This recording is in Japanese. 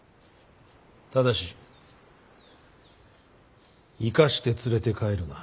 ただし生かして連れて帰るな。